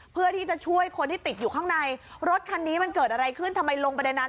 เพื่อที่จะช่วยคนที่ติดอยู่ข้างในรถคันนี้มันเกิดอะไรขึ้นทำไมลงไปในนั้น